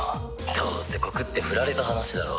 どうせ告って振られた話だろ？」